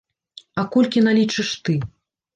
А колькі налічыш ты?